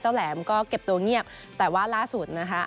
เจ้าแหลมก็เก็บตัวเงี้ยบแต่ว่าสุดนะคะ